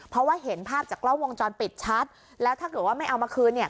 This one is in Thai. เพราะว่าเห็นภาพจากกล้องวงจรปิดชัดแล้วถ้าเกิดว่าไม่เอามาคืนเนี่ย